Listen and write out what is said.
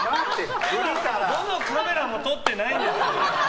どのカメラも撮ってないんですよ。